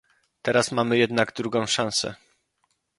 Teraz mamy jednak drugą szansę